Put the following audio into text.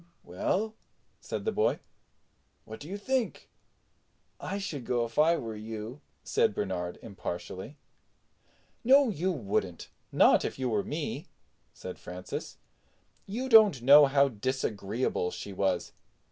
"Well," said the boy, "what do you think?" "I should go if I were you," said Bernard impartially. "No, you wouldn't; not if you were me," said Francis. "You don't know how disagreeable she was.